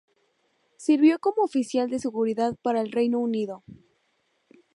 Sirvió como oficial de seguridad para el Reino Unido.